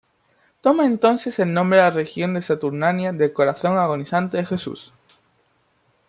Toma entonces el nombre de religión de Saturnina del Corazón Agonizante de Jesús.